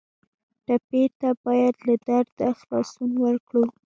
ټپي ته باید له درده خلاصون ورکړو.